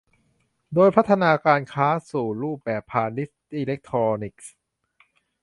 โดยพัฒนาการค้าสู่รูปแบบพาณิชย์อิเล็กทรอนิกส์